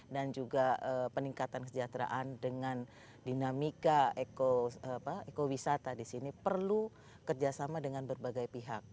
dan juga peningkatan kesejahteraan dengan dinamika ekowisata di sini perlu kerjasama dengan berbagai pihak